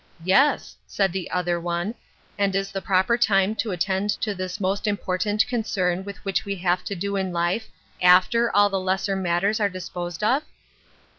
" Yes," said the other one, " and is the proper time to attend to this most important concern with which we have to do in life after all the les ser matters are disposed of